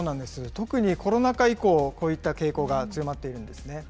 特にコロナ禍以降、こういった傾向が強まっているんですね。